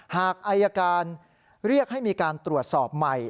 หากอายการเรียกให้มีการตรวจสอบใหม่